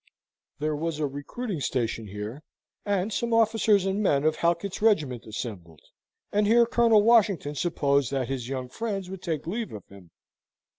There was a recruiting station here, and some officers and men of Halkett's regiment assembled, and here Colonel Washington supposed that his young friends would take leave of him.